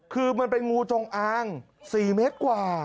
คือมันเป็นงูจงอาง๔เมตรกว่า